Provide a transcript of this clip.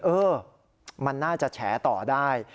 เออมันน่าจะแฉต่อได้